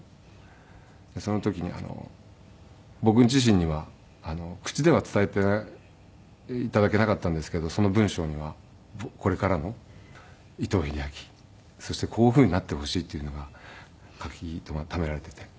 その時に僕自身には口では伝えて頂けなかったんですけどその文章にはこれからの伊藤英明そしてこういうふうになってほしいっていうのが書き留められていて。